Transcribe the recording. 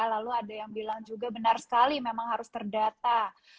lalu ada yang bilang juga benar sekali memang harus terdata